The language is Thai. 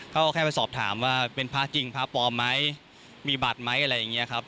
ก็แค่ไปสอบถามว่าเป็นพระจริงพระปลอมไหมมีบัตรไหมอะไรอย่างนี้ครับ